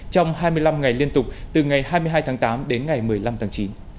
trong hai mươi năm ngày liên tục từ ngày hai mươi hai tháng tám đến ngày một mươi năm tháng chín